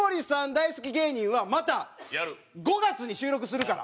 大好き芸人はまた５月に収録するから。